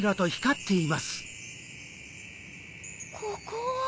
ここは？